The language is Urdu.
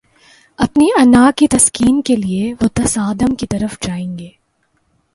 اپنی انا کی تسکین کے لیے وہ تصادم کی طرف جائیں گے۔